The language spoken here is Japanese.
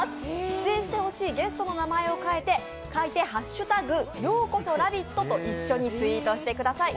出演してほしいゲストの名前を書いて「＃ようこそラヴィット」とツイートしてください。